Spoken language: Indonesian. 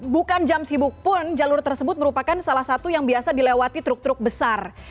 bukan jam sibuk pun jalur tersebut merupakan salah satu yang biasa dilewati truk truk besar